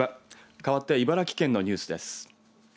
かわって茨城県のニュースです。